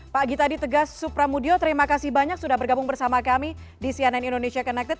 pak gita di tegas supramudio terima kasih banyak sudah bergabung bersama kami di cnn indonesia connected